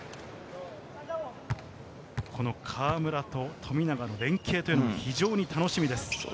河村と富永の連係というのも非常に楽しみです。